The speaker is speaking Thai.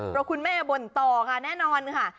เพราะคุณแม่บ่นต่อค่ะแน่นอนค่ะ